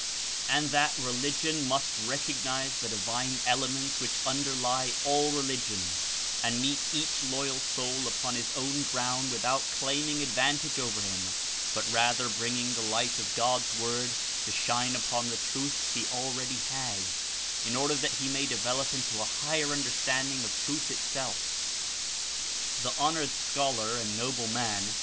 And that religion must recognize the divine elements which underlie all religions and meet each loyal soul upon his own ground without claiming ad vantage ov^er him, but rather bringing the light of God's Word to shine upon the truths he already has, in order that he may develop into a higher under standing of Truth itself. The honored scholar and noble man.